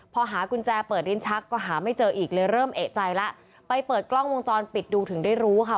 พอหากุญแจเปิดลิ้นชักก็หาไม่เจออีกเลยเริ่มเอกใจแล้วไปเปิดกล้องวงจรปิดดูถึงได้รู้ค่ะ